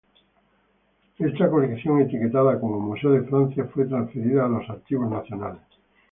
Esta colección, etiquetada como "Museo de Francia", fue transferida a los Archivos nacionales.